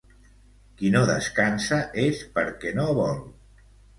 Qui no descansa és perquè no vol.